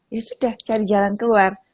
ya sudah cari jalan keluar